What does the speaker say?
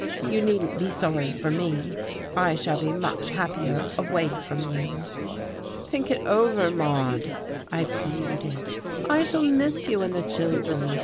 You needn't be sorry for me, I shall be much happier away from you." "Think it over, Maude," I pleaded. "I shall miss you and the children.